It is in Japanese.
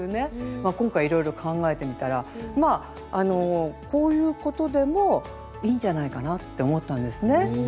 今回いろいろ考えてみたらまあこういうことでもいいんじゃないかなって思ったんですね。